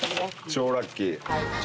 超ラッキー。